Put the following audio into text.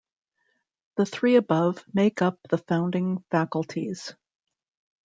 The three above make up the founding faculties.